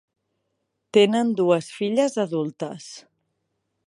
Tenen dues filles adultes.